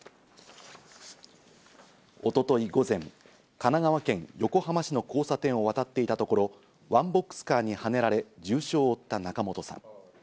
一昨日午前、神奈川県横浜市の交差点を渡っていたところ、ワンボックスカーにはねられ重傷を負った仲本さん。